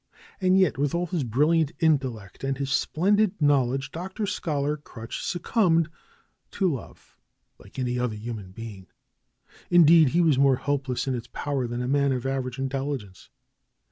And yet, with all his brilliant intellect and his splendid knowledge. Dr. Scholar Crutch succumbed to love, like any other human being; indeed, he was more helpless in its power than a man of average intelligence.